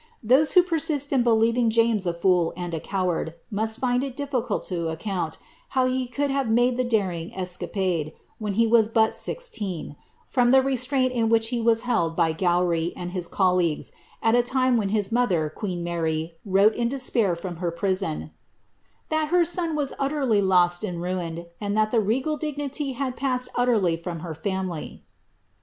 Those who persist in believing James a fool and a coward, must find it difficult to account how he could have made the daring escapade, when he was but sixteen, from the re straint in which he was held by Gowrie and his colleagues, at a time when his mother, queen Mary, wrote in despair from her prison, " tliat her son was utteriy lost and ruined, and that the regal dignity had passed utterly from her family."